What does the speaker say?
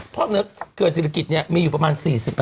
เพราะเกลือศิริกิจมีอยู่ประมาณ๔๐